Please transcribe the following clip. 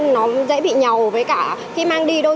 nó dễ bị nhầu với cả khi mang đi